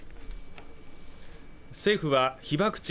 政府は被爆地